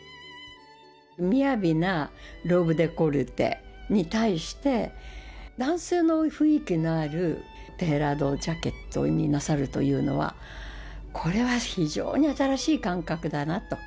みやびなローブデコルテに対して、男性の雰囲気のあるテーラードジャケットになさるというのは、これは非常に新しい感覚だなと。